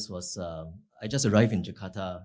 saya baru saja tiba di jakarta